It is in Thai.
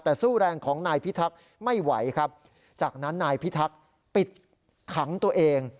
แต่สู้แรงของนายพิทักษ์ไม่ไหวครับจากนั้นนายพิทักษ์ปิดขังตัวเอง